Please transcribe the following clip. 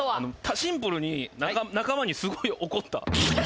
シンプルに仲間にすごい怒った。